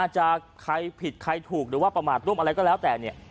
จะใครผิดใครถูกหรือว่าประมาทร่วมอะไรก็แล้วแต่เนี่ย